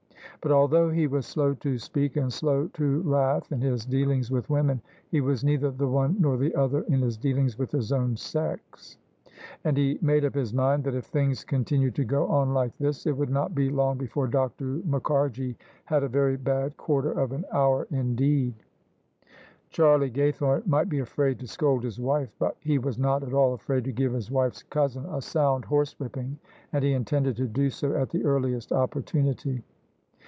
But although he was slow to speak and slow to wrath in his dealings with women, he was neither the one nor the other in his dealings with his own sex: and he made up his mind that if things continued to go on like this it would not be long before Dr. Mukharji had a very bad quarter of an hour indeed. Charlie Gaythome might be afraid to scold his wife: but he was not at all afraid to give his wife's cousin a soimd horsewhipping: and he intended to do so at the earliest opportunity.